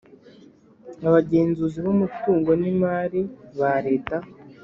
Abagenzuzi b umutungo n imari bal eta